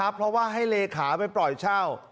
เพราะว่าให้เลขาไปปล่อยเช่า